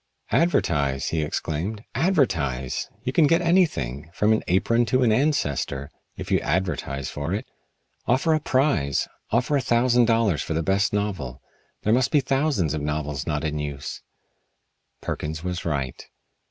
"Advertise!" he exclaimed. "Advertise! You can get anything, from an apron to an ancestor, if you advertise for it. Offer a prize offer a thousand dollars for the best novel. There must be thousands of novels not in use." Perkins was right.